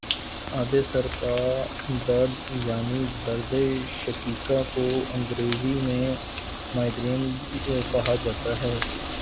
آدھے سر کا درد یعنی دردِ شقیقہ کو انگریزی میں مائیگرین کہا جاتا ہے